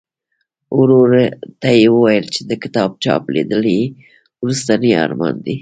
ورور ته یې ویل چې د کتاب چاپ لیدل یې وروستنی ارمان دی.